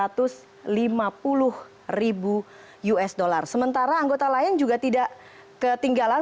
sementara anggota lain juga tidak ketinggalan sementara anggota lain juga tidak ketinggalan